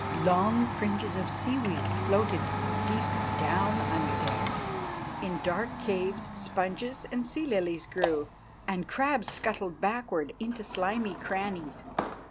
Long fringes of seaweed floated deep down under there. In dark caves sponges and sea lilies grew, and crabs scuttled backward into slimy crannies.